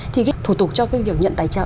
thì cái thủ tục cho cái việc nhận tài trợ